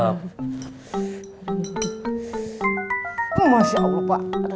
masya allah pak